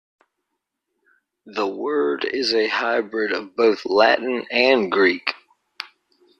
The word is a hybrid of both Latin and Greek.